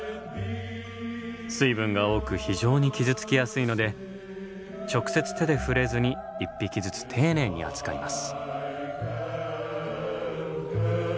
水分が多く非常に傷つきやすいので直接手で触れずに１匹ずつ丁寧に扱います。